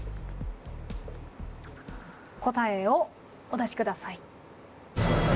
答えをお出しください。